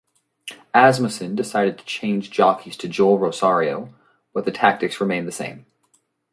Asmussen decided to change jockeys to Joel Rosario but the tactics remained the same.